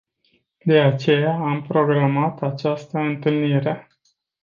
De aceea am programat această întâlnire.